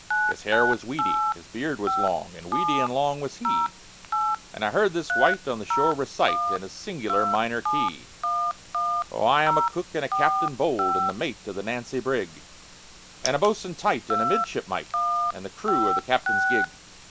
His hair was weedy, his beard was long, And weedy and long was he, And I heard this wight on the shore recite, In a singular minor key: "Oh, I am a cook and the captain bold, And the mate of the Nancy brig, And a bo'sun tight, and a midshipmite, And the crew of the captain's gig."